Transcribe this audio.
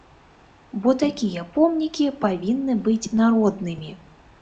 Бо такія помнікі павінны быць народнымі.